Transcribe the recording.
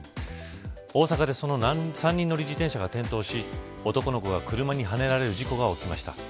大阪でその３人乗り自転車が転倒し男の子が車ではねられる事故が起きました。